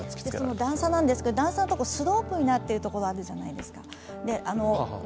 段差なんですけど、スロープになっているところがあるじゃないですか。